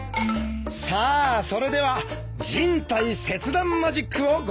さあそれでは人体切断マジックをご覧いただきます。